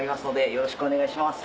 よろしくお願いします。